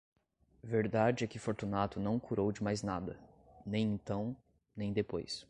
Verdade é que Fortunato não curou de mais nada, nem então, nem depois.